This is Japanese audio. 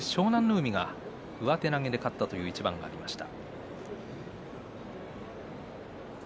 海が上手投げで勝ったという一番がありました。